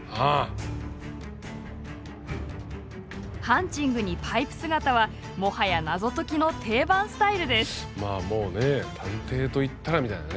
ハンチングにパイプ姿はもはや謎解きの定番スタイルです。